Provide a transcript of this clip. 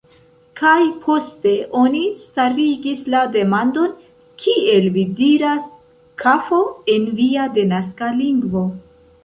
Kaj poste oni starigis la demandon, kiel vi diras "kafo" en via denaska lingvo.